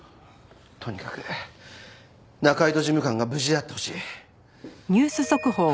とにかく仲井戸事務官が無事であってほしい。